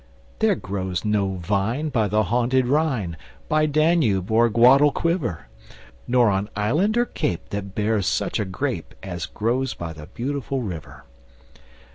There grows no vine By the haunted Rhine, By Danube or Guadalquivir, Nor on island or cape, That bears such a grape As grows by the Beautiful River.